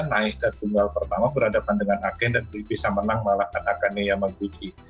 naik ke tunggal pertama berhadapan dengan aken dan bisa menang mengalahkan akane yamaguchi